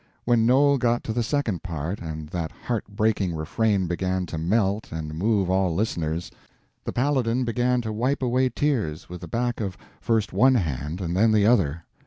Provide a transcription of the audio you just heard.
When Noel got to the second part, and that heart breaking refrain began to melt and move all listeners, the Paladin began to wipe away tears with the back of first one hand and then the other.